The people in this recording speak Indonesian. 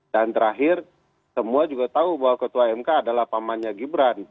dan terakhir semua juga tahu bahwa ketua mk adalah pamannya gibran